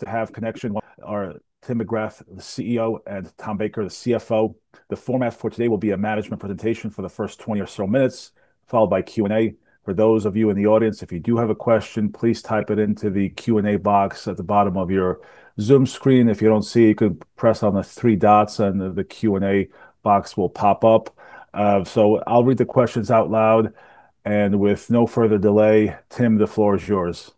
To have Connection are Tim McGrath, the CEO, and Tom Baker, the CFO. The format for today will be a management presentation for the first 20 or so minutes, followed by Q&A. For those of you in the audience, if you do have a question, please type it into the Q&A box at the bottom of your Zoom screen. If you don't see it, you could press on the three dots, and the Q&A box will pop up. I'll read the questions out loud. With no further delay, Tim, the floor is yours.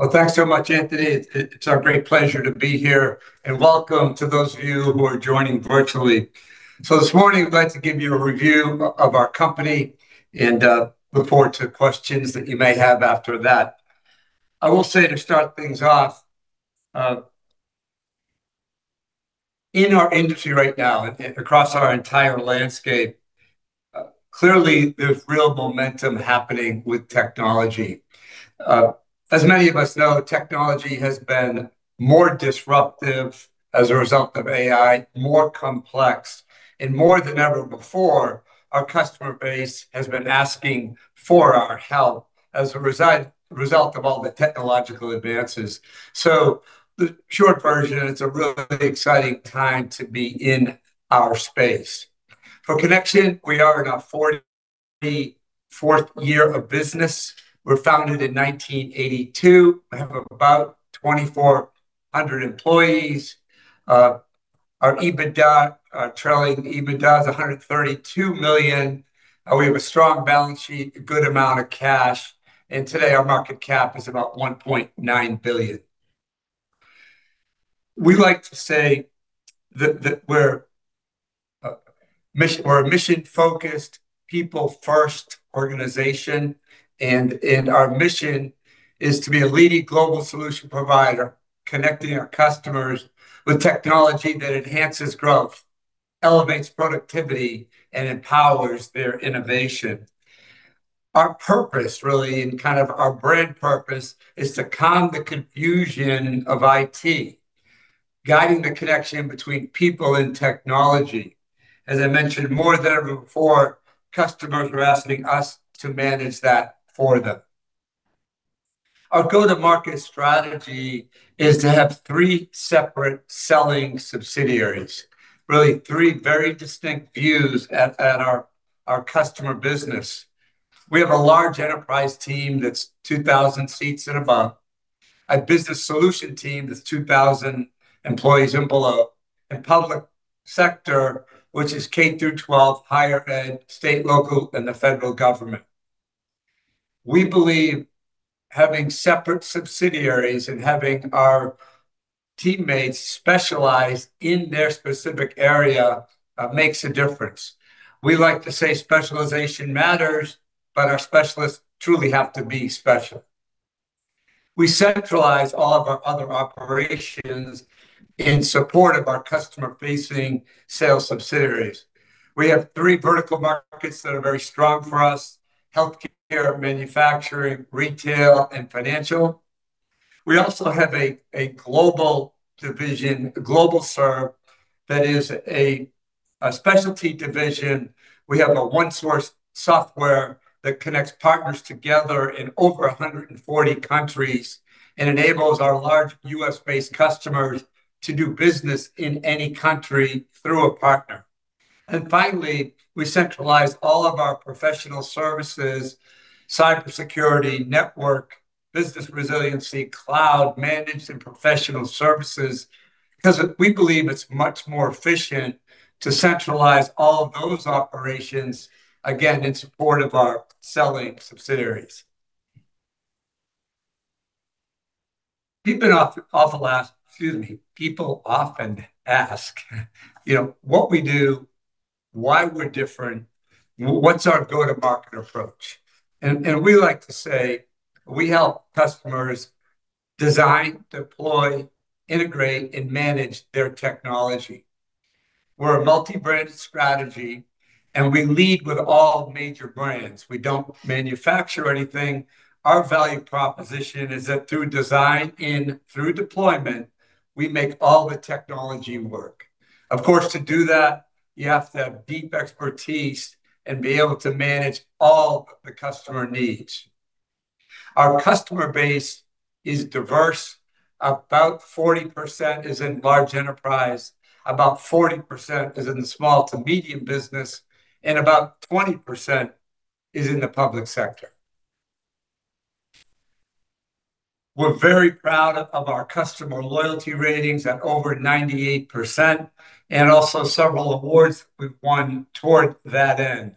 Well, thanks so much, Anthony. It's our great pleasure to be here, and welcome to those of you who are joining virtually. This morning, I'd like to give you a review of our company and look forward to questions that you may have after that. I will say to start things off, in our industry right now, across our entire landscape, clearly there's real momentum happening with technology. As many of us know, technology has been more disruptive as a result of AI, more complex, and more than ever before, our customer base has been asking for our help as a result of all the technological advances. The short version is it's a really exciting time to be in our space. For Connection, we are in our 44th year of business. We were founded in 1982. We have about 2,400 employees. Our trailing EBITDA is $132 million. We have a strong balance sheet, a good amount of cash, and today our market cap is about $1.9 billion. We like to say that we're a mission-focused, people first organization, and our mission is to be a leading global solution provider, connecting our customers with technology that enhances growth, elevates productivity, and empowers their innovation. Our purpose really, and our brand purpose, is to calm the confusion of IT, guiding the Connection between people and technology. As I mentioned, more than ever before, customers are asking us to manage that for them. Our go-to-market strategy is to have three separate selling subsidiaries. Really, three very distinct views at our customer business. We have a large enterprise team that's 2,000 seats and above, a business solution team that's 2,000 employees and below, and public sector, which is K through 12, Higher Ed, state, local, and the federal government. We believe having separate subsidiaries and having our teammates specialize in their specific area makes a difference. We like to say specialization matters, but our specialists truly have to be special. We centralize all of our other operations in support of our customer-facing sales subsidiaries. We have three vertical markets that are very strong for us: healthcare, manufacturing, retail, and financial. We also have a global division, GlobalServe, that is a specialty division. We have a OneSource Software that connects partners together in over 140 countries and enables our large U.S.-based customers to do business in any country through a partner. Finally, we centralize all of our professional services, cybersecurity, network, business resiliency, cloud managed and professional services because we believe it's much more efficient to centralize all of those operations, again, in support of our selling subsidiaries. People often ask what we do, why we're different, what's our go-to-market approach? We like to say we help customers design, deploy, integrate, and manage their technology. We're a multi-branded strategy and we lead with all major brands. We don't manufacture anything. Our value proposition is that through design and through deployment, we make all the technology work. Of course, to do that, you have to have deep expertise and be able to manage all of the customer needs. Our customer base is diverse. About 40% is in large enterprise, about 40% is in the small to medium business, and about 20% is in the public sector. We're very proud of our customer loyalty ratings at over 98%, and also several awards we've won toward that end.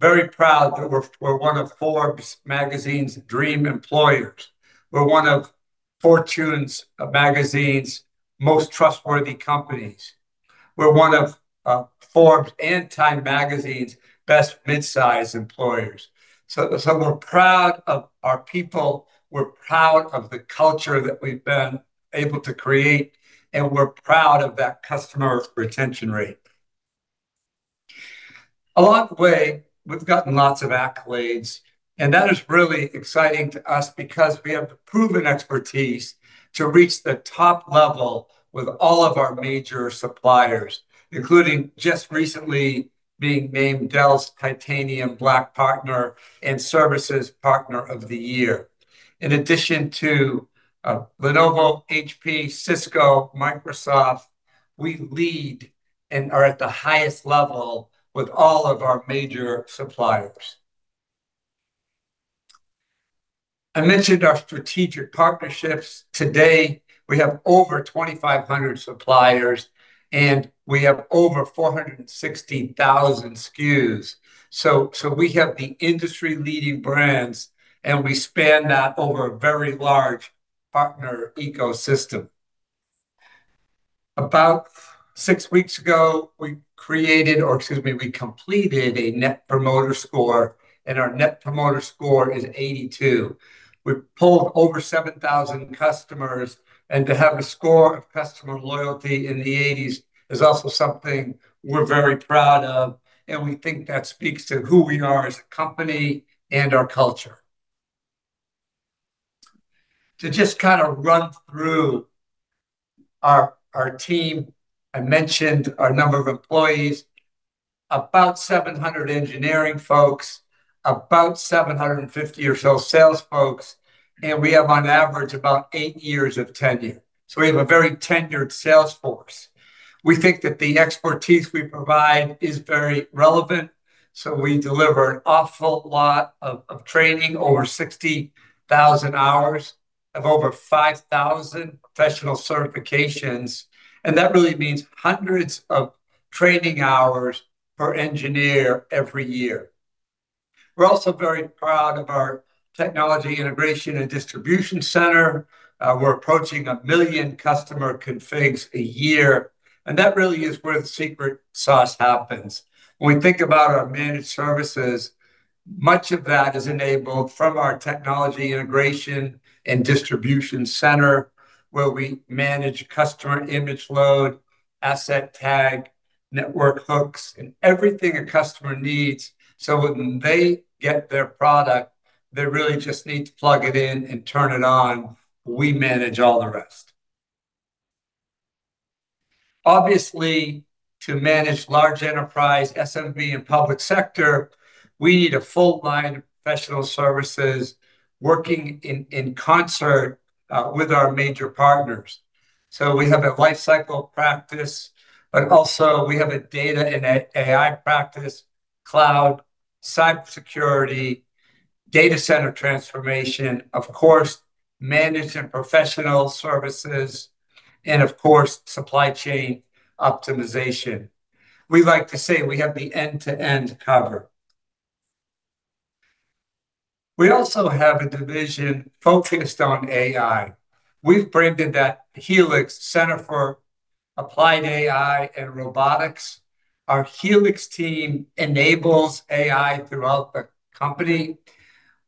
Very proud that we're one of Forbes Magazine's dream employers. We're one of Fortune Magazine's most trustworthy companies. We're one of Forbes and Time Magazine's best mid-size employers. We're proud of our people, we're proud of the culture that we've been able to create, and we're proud of that customer retention rate. Along the way, we've gotten lots of accolades, and that is really exciting to us because we have proven expertise to reach the top level with all of our major suppliers, including just recently being named Dell's Titanium Black Partner and Services Partner of the Year. In addition to Lenovo, HP, Cisco, Microsoft, we lead and are at the highest level with all of our major suppliers. I mentioned our strategic partnerships. Today, we have over 2,500 suppliers, and we have over 460,000 SKUs. We have the industry-leading brands, and we span that over a very large partner ecosystem. About six weeks ago, we completed a Net Promoter Score, and our Net Promoter Score is 82. We polled over 7,000 customers, and to have a score of customer loyalty in the 80s is also something we're very proud of, and we think that speaks to who we are as a company and our culture. To just run through our team, I mentioned our number of employees, about 700 engineering folks, about 750 or so sales folks, and we have on average about eight years of tenure. We have a very tenured sales force. We think that the expertise we provide is very relevant, so we deliver an awful lot of training, over 60,000 hours of over 5,000 professional certifications. That really means hundreds of training hours per engineer every year. We're also very proud of our technology integration and distribution center. We're approaching a million customer configs a year, and that really is where the secret sauce happens. When we think about our managed services, much of that is enabled from our technology integration and distribution center, where we manage customer image load, asset tag, network hooks, and everything a customer needs. When they get their product, they really just need to plug it in and turn it on. We manage all the rest. Obviously, to manage large enterprise, SMB, and public sector, we need a full line of professional services working in concert with our major partners. We have a lifecycle practice, but also we have a data and AI practice, cloud, cybersecurity, data center transformation, of course, managed and professional services, and of course, supply chain optimization. We like to say we have the end-to-end cover. We also have a division focused on AI. We've branded that Helix Center for Applied AI and Robotics. Our Helix team enables AI throughout the company.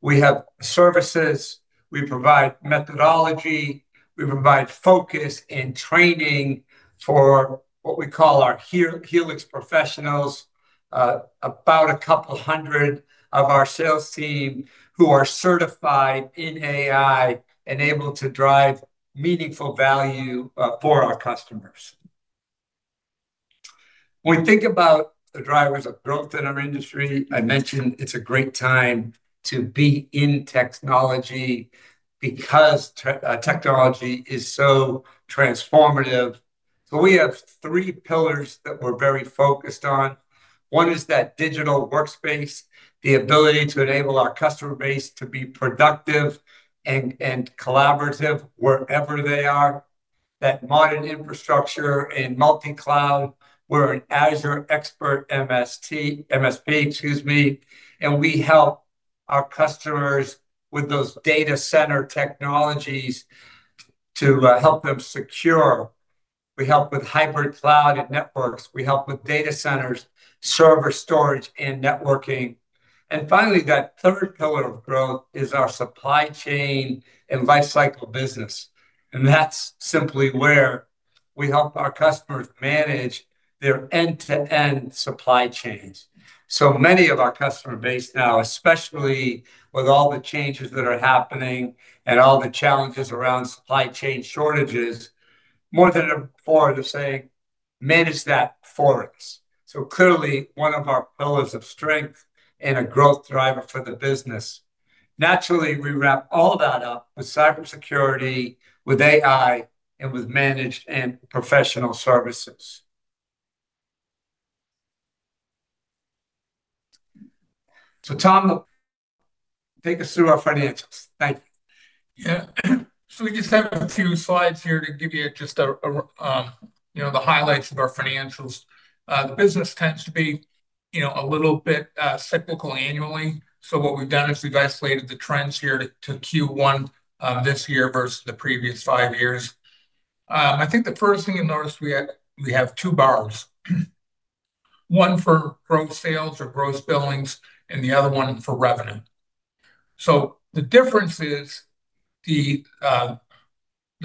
We have services. We provide methodology. We provide focus and training for what we call our Helix professionals, about 200 of our sales team who are certified in AI and able to drive meaningful value for our customers. When we think about the drivers of growth in our industry, I mentioned it's a great time to be in technology because technology is so transformative. We have three pillars that we're very focused on. One is that digital workspace, the ability to enable our customer base to be productive and collaborative wherever they are. That modern infrastructure and multi-cloud. We're an Azure expert MSP, excuse me, and we help our customers with those data center technologies to help them secure. We help with hypercloud and networks. We help with data centers, server storage, and networking. Finally, that third pillar of growth is our supply chain and lifecycle business, and that's simply where we help our customers manage their end-to-end supply chains. Many of our customer base now, especially with all the changes that are happening and all the challenges around supply chain shortages, more than before, they're saying, "Manage that for us." Clearly one of our pillars of strength and a growth driver for the business. Naturally, we wrap all that up with cybersecurity, with AI, and with managed and professional services. Tom, take us through our financials. Thank you. Yeah. We just have a few slides here to give you just the highlights of our financials. The business tends to be a little bit cyclical annually. What we've done is we've isolated the trends here to Q1 this year versus the previous five years. I think the first thing you've noticed, we have two bars. One for growth sales or gross billings, and the other one for revenue. The difference is the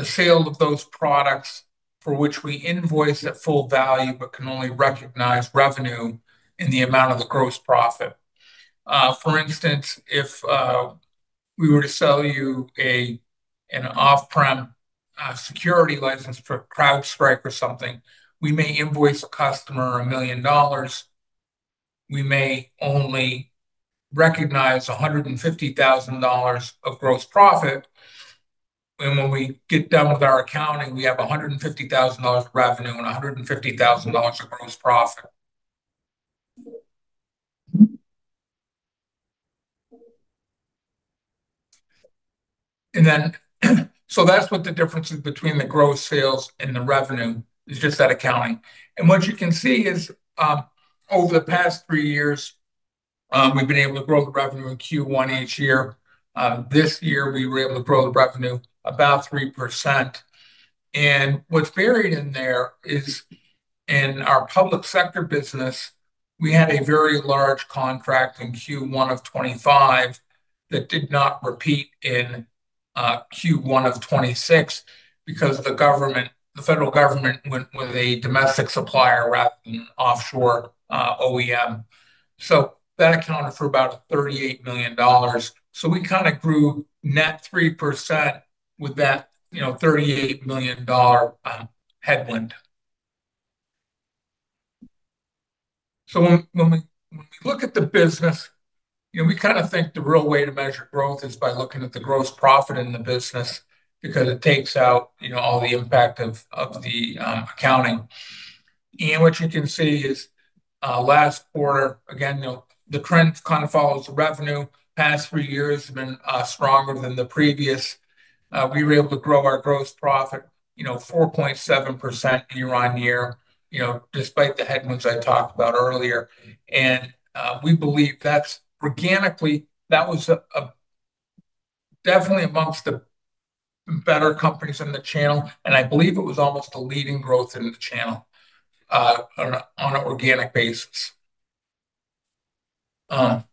sale of those products for which we invoice at full value but can only recognize revenue in the amount of the gross profit. For instance, if we were to sell you an off-prem security license for CrowdStrike or something, we may invoice a customer $1 million. We may only recognize $150,000 of gross profit, and when we get done with our accounting, we have $150,000 of revenue and $150,000 of gross profit. That's what the difference is between the gross sales and the revenue is just that accounting. What you can see is, over the past three years, we've been able to grow the revenue in Q1 each year. This year, we were able to grow the revenue about 3%. What's buried in there is in our public sector business, we had a very large contract in Q1 of 2025 that did not repeat in Q1 of 2026 because the federal government went with a domestic supplier rather than offshore OEM. That accounted for about $38 million. We grew net 3% with that $38 million headwind. When we look at the business, we think the real way to measure growth is by looking at the gross profit in the business because it takes out all the impact of the accounting. What you can see is, last quarter, again, the trend follows the revenue. Past three years have been stronger than the previous. We were able to grow our gross profit 4.7% year-on-year, despite the headwinds I talked about earlier. We believe that's, organically, that was definitely amongst the better companies in the channel, and I believe it was almost the leading growth in the channel on an organic basis. The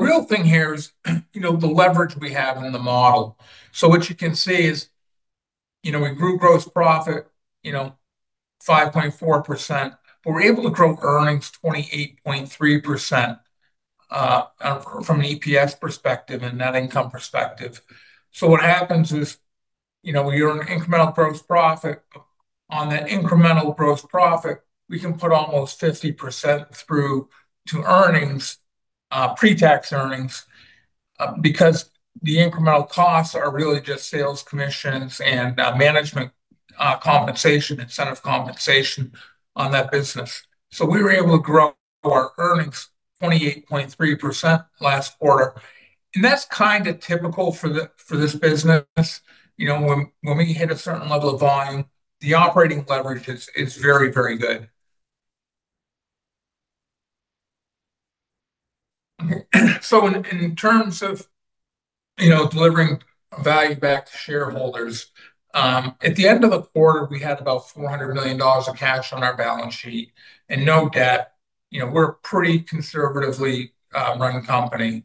real thing here is the leverage we have in the model. What you can see is we grew gross profit 5.4%, but we're able to grow earnings 28.3% from an EPS perspective and net income perspective. What happens is, your incremental gross profit, on that incremental gross profit, we can put almost 50% through to pre-tax earnings, because the incremental costs are really just sales commissions and management compensation, incentive compensation on that business. We were able to grow our earnings 28.3% last quarter, and that's typical for this business. When we hit a certain level of volume, the operating leverage is very, very good. In terms of delivering value back to shareholders, at the end of the quarter, we had about $400 million of cash on our balance sheet and no debt. We're a pretty conservatively run company.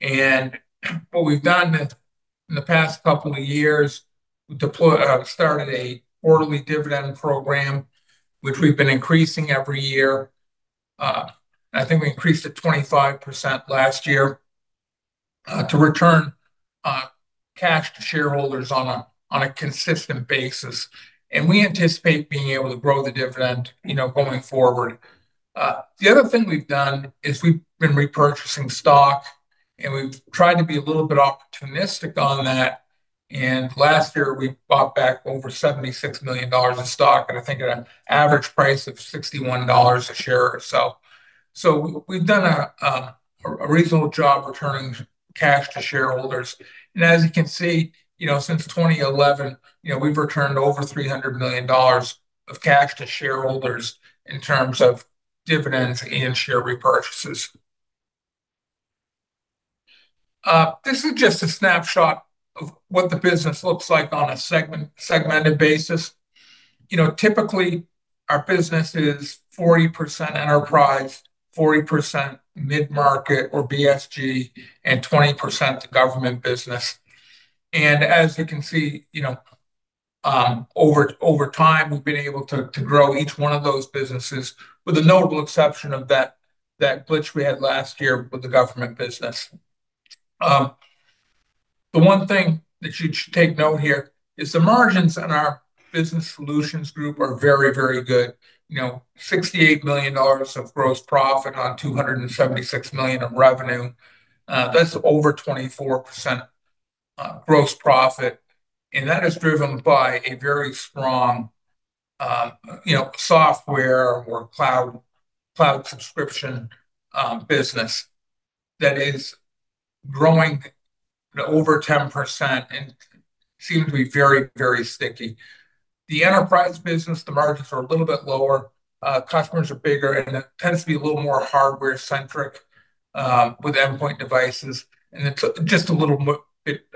What we've done in the past couple of years, we started a quarterly dividend program, which we've been increasing every year. I think we increased it 25% last year to return cash to shareholders on a consistent basis, we anticipate being able to grow the dividend going forward. The other thing we've done is we've been repurchasing stock, and we've tried to be a little bit opportunistic on that, and last year, we bought back over $76 million in stock, and I think at an average price of $61 a share or so. We've done a reasonable job returning cash to shareholders. As you can see, since 2011, we've returned over $300 million of cash to shareholders in terms of dividends and share repurchases. This is just a snapshot of what the business looks like on a segmented basis. Typically, our business is 40% enterprise, 40% mid-market or BSG, and 20% government business. As you can see, over time, we've been able to grow each one of those businesses, with the notable exception of that glitch we had last year with the government business. The one thing that you should take note here is the margins on our Business Solutions Group are very, very good. $68 million of gross profit on $276 million of revenue. That's over 24% gross profit, and that is driven by a very strong software or cloud subscription business that is growing at over 10% and seems to be very, very sticky. The enterprise business, the margins are a little bit lower. Customers are bigger, and it tends to be a little more hardware centric, with endpoint devices, and it's just a little bit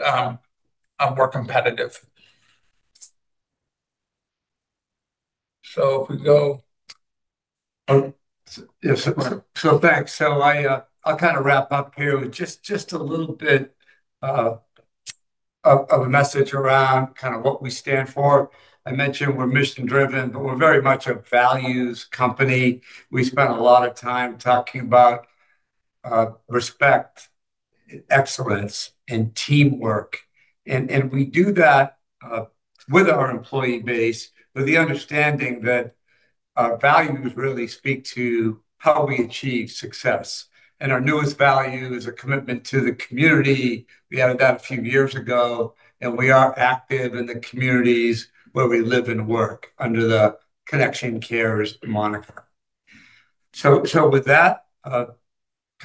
more competitive. Thanks. I'll wrap up here with just a little bit of a message around what we stand for. I mentioned we're mission-driven, but we're very much a values company. We spend a lot of time talking about respect, excellence, and teamwork. We do that with our employee base with the understanding that our values really speak to how we achieve success. Our newest value is a commitment to the community. We added that a few years ago, and we are active in the communities where we live and work under the Connection Cares moniker. With that,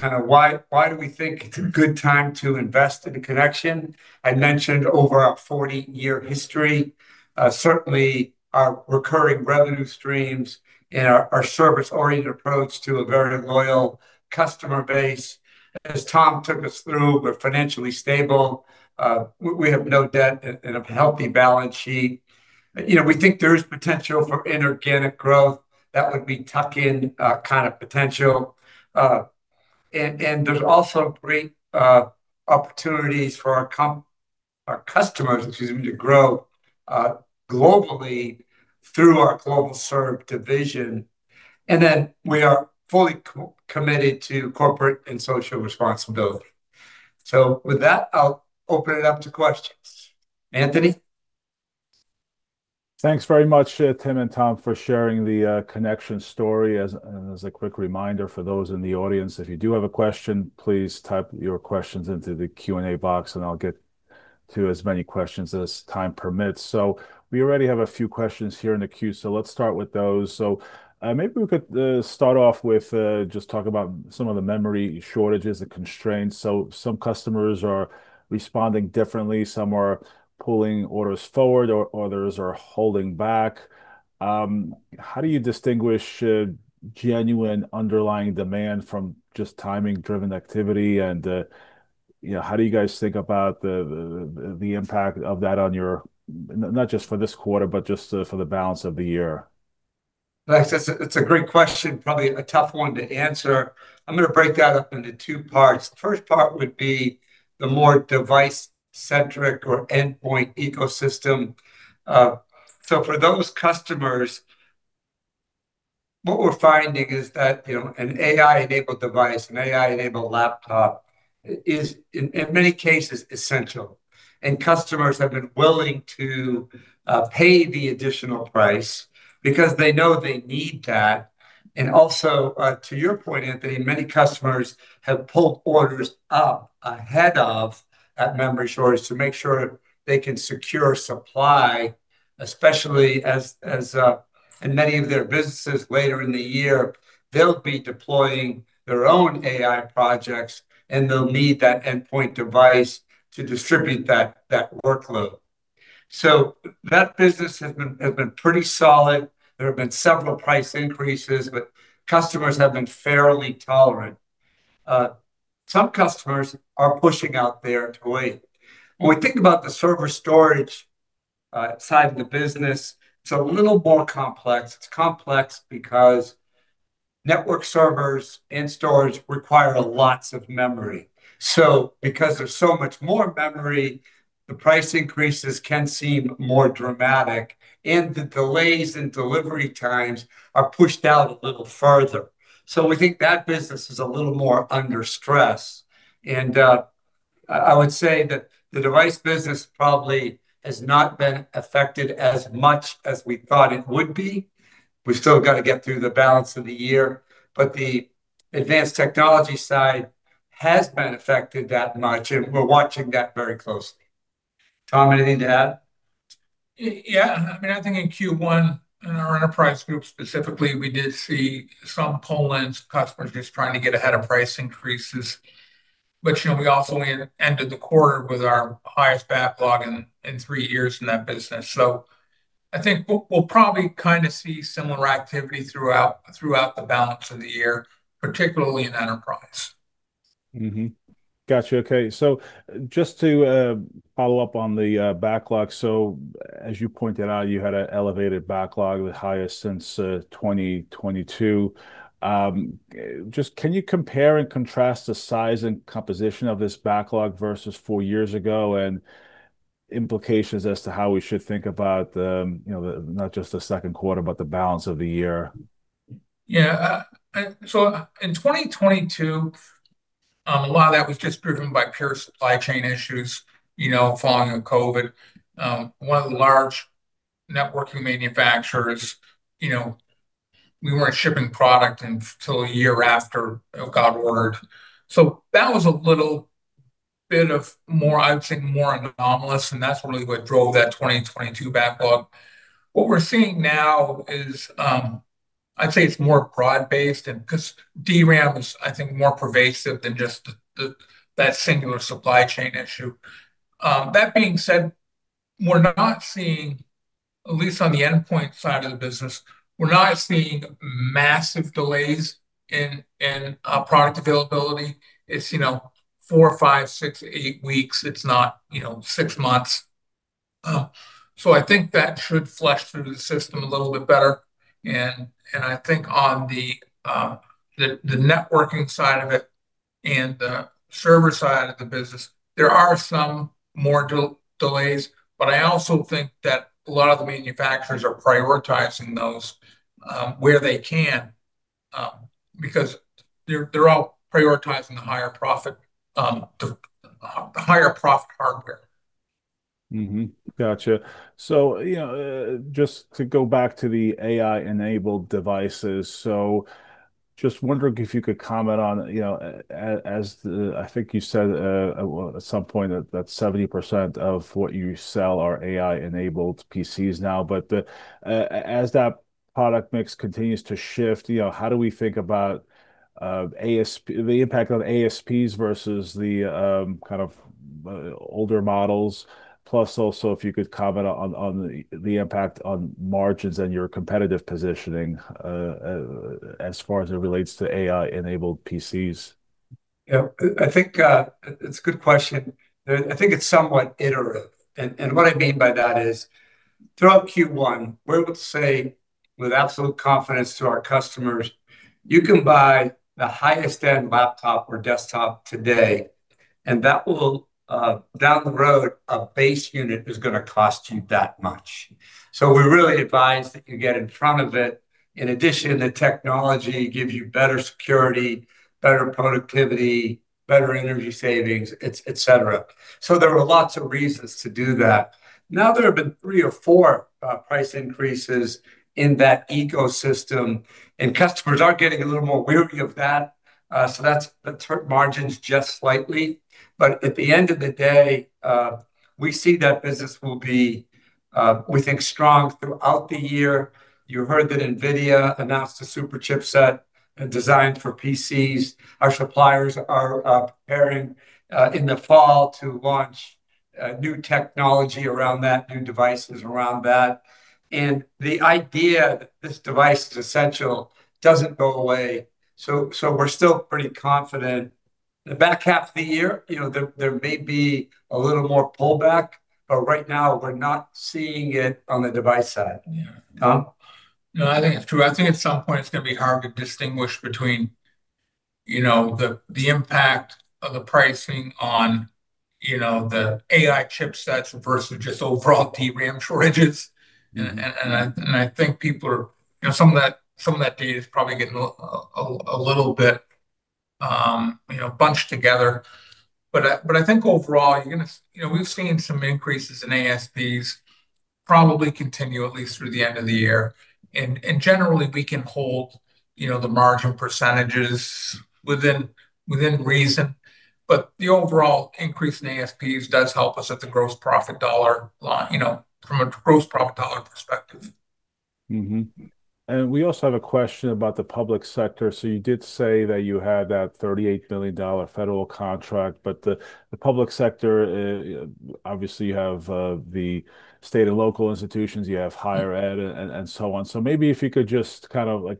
why do we think it's a good time to invest in Connection? I mentioned over our 40-year history, certainly our recurring revenue streams and our service-oriented approach to a very loyal customer base. As Tom took us through, we're financially stable. We have no debt and a healthy balance sheet. We think there's potential for inorganic growth that would be tuck-in kind of potential. There's also great opportunities for our customers, excuse me, to grow globally through our GlobalServe division. We are fully committed to corporate and social responsibility. With that, I'll open it up to questions. Anthony? Thanks very much, Tim and Tom, for sharing the Connection story. As a quick reminder for those in the audience, if you do have a question, please type your questions into the Q&A box and I'll get to as many questions as time permits. We already have a few questions here in the queue, so let's start with those. Maybe we could start off with just talk about some of the memory shortages, the constraints. Some customers are responding differently, some are pulling orders forward, or others are holding back. How do you distinguish genuine underlying demand from just timing-driven activity and how do you guys think about the impact of that on your, not just for this quarter, but just for the balance of the year? That's a great question. Probably a tough one to answer. I'm going to break that up into two parts. The first part would be the more device-centric or endpoint ecosystem. For those customers, what we're finding is that an AI-enabled device, an AI-enabled laptop is, in many cases, essential. Customers have been willing to pay the additional price because they know they need that. Also, to your point, Anthony, many customers have pulled orders up ahead of that memory shortage to make sure they can secure supply, especially as in many of their businesses later in the year, they'll be deploying their own AI projects, and they'll need that endpoint device to distribute that workload. That business has been pretty solid. There have been several price increases, but customers have been fairly tolerant. Some customers are pushing out their weight. We think about the server storage side of the business, it's a little more complex. It's complex because network servers and storage require lots of memory. Because there's so much more memory, the price increases can seem more dramatic, and the delays in delivery times are pushed out a little further. We think that business is a little more under stress. I would say that the device business probably has not been affected as much as we thought it would be. We've still got to get through the balance of the year. The advanced technology side has been affected that much, and we're watching that very closely. Tom, anything to add? Yeah. I think in Q1, in our enterprise group specifically, we did see some pull-ins, customers just trying to get ahead of price increases. We also ended the quarter with our highest backlog in three years in that business. I think we'll probably see similar activity throughout the balance of the year, particularly in enterprise. Mm-hmm. Got you. Okay. Just to follow up on the backlog. As you pointed out, you had an elevated backlog, the highest since 2022. Can you compare and contrast the size and composition of this backlog versus four years ago and implications as to how we should think about not just the second quarter, but the balance of the year? Yeah. In 2022, a lot of that was just driven by pure supply chain issues following COVID. One of the large networking manufacturers, we weren't shipping product until a year after it got ordered. That was a little bit of more, I would say more anomalous, and that's really what drove that 2022 backlog. What we're seeing now is, I'd say it's more broad-based, and because DRAM is, I think, more pervasive than just that singular supply chain issue. That being said, we're not seeing, at least on the endpoint side of the business, we're not seeing massive delays in product availability. It's four, five, six, eight weeks. It's not six months. I think that should flush through the system a little bit better. I think on the networking side of it and the server side of the business, there are some more delays. I also think that a lot of the manufacturers are prioritizing those where they can, because they're all prioritizing the higher profit hardware. Mm-hmm. Got you. Just to go back to the AI-enabled devices, just wondering if you could comment on, as I think you said at some point, that 70% of what you sell are AI-enabled PCs now. As that product mix continues to shift, how do we think about the impact on ASPs versus the kind of older models? Plus also, if you could comment on the impact on margins and your competitive positioning, as far as it relates to AI-enabled PCs. Yeah. I think it's a good question. I think it's somewhat iterative. What I mean by that is, throughout Q1, we're able to say with absolute confidence to our customers, "You can buy the highest end laptop or desktop today, and down the road, a base unit is going to cost you that much." We really advise that you get in front of it. In addition, the technology gives you better security, better productivity, better energy savings, et cetera. There are lots of reasons to do that. Now, there have been three or four price increases in that ecosystem, and customers are getting a little more weary of that, so that's hurt margins just slightly. At the end of the day, we see that business will be, we think, strong throughout the year. You heard that NVIDIA announced a super chipset designed for PCs. Our suppliers are preparing in the fall to launch new technology around that, new devices around that. The idea that this device is essential doesn't go away. We're still pretty confident. The back half of the year, there may be a little more pullback, but right now we're not seeing it on the device side. Yeah. Tom? I think it's true. I think at some point it's going to be hard to distinguish between the impact of the pricing on the AI chipsets versus just overall DRAM shortages. I think some of that data is probably getting a little bit bunched together. I think overall, we've seen some increases in ASPs probably continue at least through the end of the year. Generally, we can hold the margin percentage within reason. The overall increase in ASPs does help us at the gross profit dollar line, from a gross profit dollar perspective. Mm-hmm. We also have a question about the public sector. You did say that you had that $38 million federal contract, the public sector, obviously you have the state and local institutions, you have higher ed, and so on. Maybe if you could just talk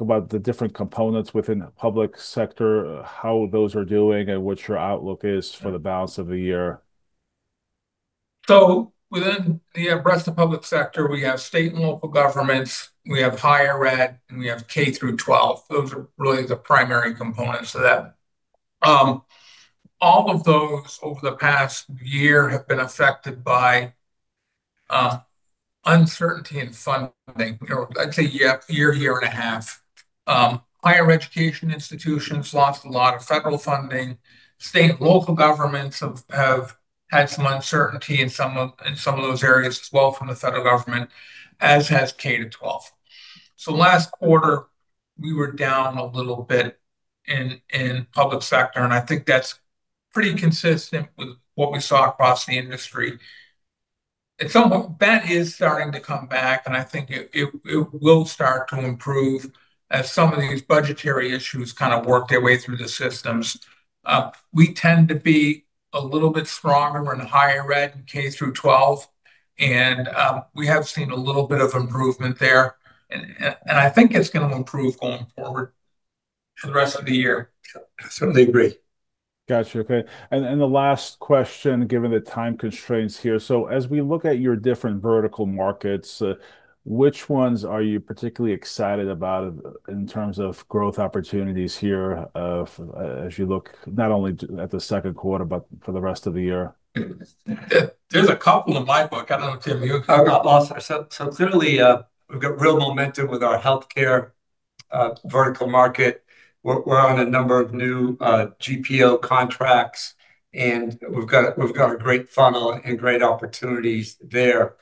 about the different components within the public sector, how those are doing, and what your outlook is for the balance of the year. Within the breadth of public sector, we have state and local governments, we have higher ed, and we have K through 12. Those are really the primary components to that. All of those over the past year have been affected by uncertainty in funding. I'd say year and a half. Higher education institutions lost a lot of federal funding. State and local governments have had some uncertainty in some of those areas as well from the federal government, as has K through 12. Last quarter, we were down a little bit in public sector, and I think that's pretty consistent with what we saw across the industry. At some point, that is starting to come back, and I think it will start to improve as some of these budgetary issues kind of work their way through the systems. We tend to be a little bit stronger in Higher ed and K through 12, and we have seen a little bit of improvement there. I think it's going to improve going forward for the rest of the year. I certainly agree. The last question, given the time constraints here. As we look at your different vertical markets, which ones are you particularly excited about in terms of growth opportunities here as you look not only at the second quarter, but for the rest of the year? There's a couple in my book. I don't know, Tim, you want to talk about? Clearly, we've got real momentum with our healthcare vertical market. We're on a number of new GPO contracts, and we've got a great funnel and great opportunities there.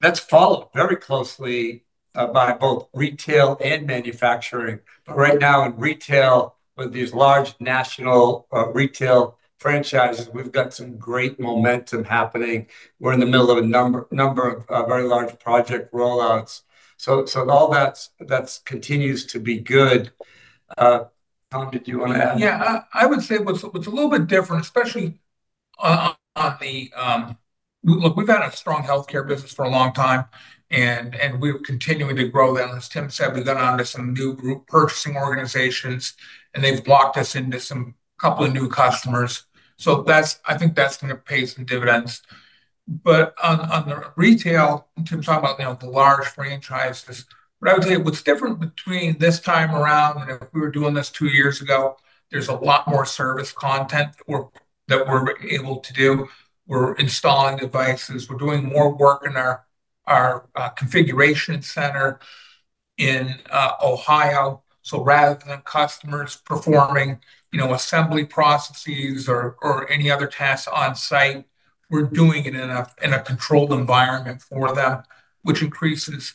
That's followed very closely by both retail and manufacturing. Right now in retail, with these large national retail franchises, we've got some great momentum happening. We're in the middle of a number of very large project roll-outs. All that continues to be good. Tom, did you want to add? I would say it's a little bit different, especially Look, we've had a strong healthcare business for a long time, and we're continuing to grow that. As Tim said, we got onto some new group purchasing organizations, and they've locked us into a couple of new customers. I think that's going to pay some dividends. On the retail, Tim's talking about the large franchises, but I would say what's different between this time around and if we were doing this two years ago, there's a lot more service content that we're able to do. We're installing devices. We're doing more work in our configuration center in Ohio. Rather than customers performing assembly processes or any other tasks on site, we're doing it in a controlled environment for them, which increases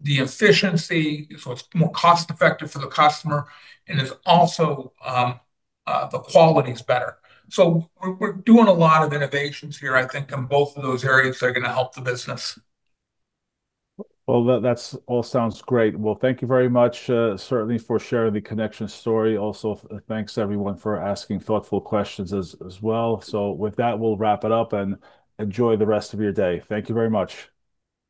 the efficiency, it's more cost-effective for the customer, and also the quality's better. We're doing a lot of innovations here, I think, in both of those areas that are going to help the business. Well, that all sounds great. Well, thank you very much certainly for sharing the Connection story. Thanks everyone for asking thoughtful questions as well. With that, we'll wrap it up, and enjoy the rest of your day. Thank you very much.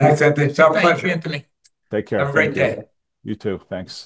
Thanks, Anthony. It's our pleasure. Thanks, Anthony. Take care. Have a great day. You too. Thanks.